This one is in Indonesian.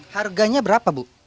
harganya berapa bu